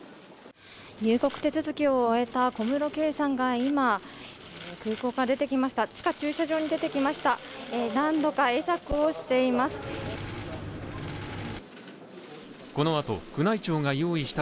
入国手続きを終えた小室圭さんが今、空港から出てきました